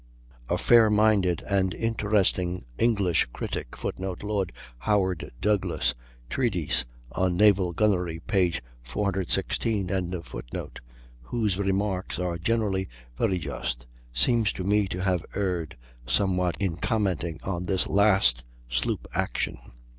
A fair minded and interesting English critic, [Footnote: Lord Howard Douglass, "Treatise on Naval Gunnery," p. 416.] whose remarks are generally very just, seems to me to have erred somewhat in commenting on this last sloop action.